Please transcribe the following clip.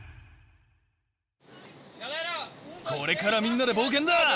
これからみんなで冒険だ。